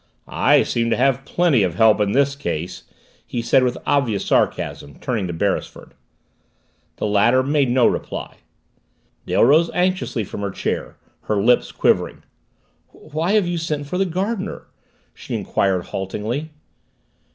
"I seem to have plenty of help in this case!" he said with obvious sarcasm, turning to Beresford. The latter made no reply. Dale rose anxiously from her chair, her lips quivering. "Why have you sent for the gardener?" she inquired haltingly.